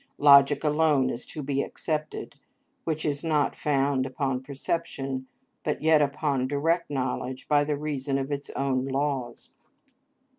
(Logic alone is to be excepted, which is not founded upon perception but yet upon direct knowledge by the reason of its own laws.)